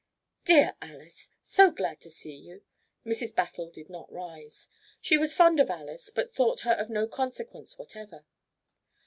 "Dear Alys so glad to see you!" Mrs. Battle did not rise. She was fond of Alys, but thought her of no consequence whatever.